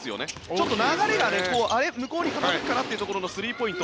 ちょっと流れが向こうに傾くかなというところのスリーポイント